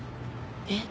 えっ？